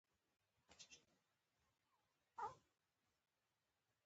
د خوندونو تنوع د حکمت نښه ده.